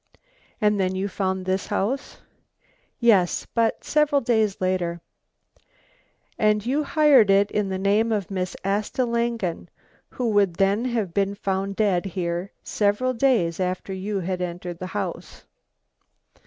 "And then you found this house." "Yes, but several days later." "And you hired it in the name of Miss Asta Langen? Who would then have been found dead here several days after you had entered the house?"